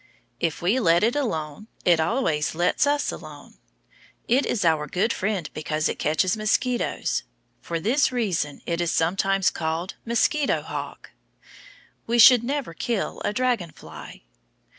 If we let it alone, it always lets us alone. It is our good friend because it catches mosquitoes. For this reason it is sometimes called mosquito hawk. We should never kill a dragon fly.